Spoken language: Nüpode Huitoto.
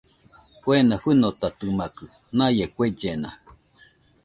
Kuena fɨnotatɨmakɨ naie kuellena